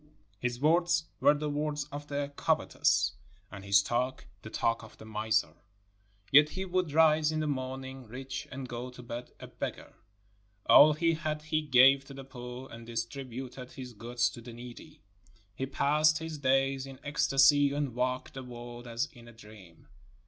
His words were the words of the covetous, and his talk the talk of the miser, yet he would rise in the morning rich and go to bed a beggar. All he had he gave to the poor., and distributed his goods to the needy. He passed his days in ecstasy and walked the world as in a dream.